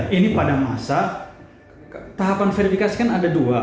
ini pada masa tahapan verifikasi kan ada dua